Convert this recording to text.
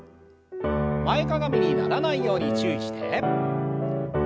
前かがみにならないように注意して。